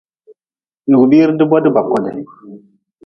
Lugʼbire de bodi ba kodi.